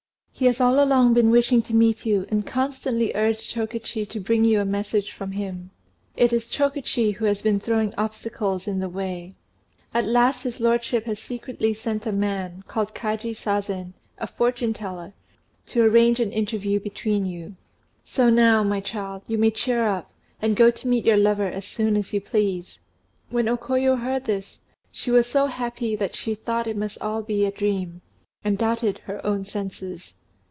He has all along been wishing to meet you, and constantly urged Chokichi to bring you a message from him. It is Chokichi who has been throwing obstacles in the way. At last his lordship has secretly sent a man, called Kaji Sazen, a fortune teller, to arrange an interview between you. So now, my child, you may cheer up, and go to meet your lover as soon as you please." When O Koyo heard this, she was so happy that she thought it must all be a dream, and doubted her own senses.